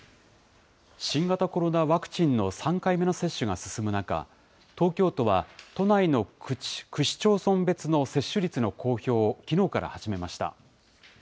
新型コロナワクチンの３回目の接種が進む中、東京都は都内の区市町村別の接種率の公表をきのうから始めました。